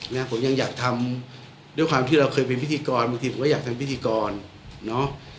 นะผมยังอยากทำด้วยความที่เราเคยเป็นพิธีกรบางทีผมก็อยากทำพิธีกรเนอะ